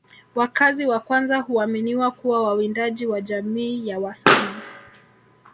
Wakazi wa kwanza huaminiwa kuwa wawindaji wa jamii ya Wasani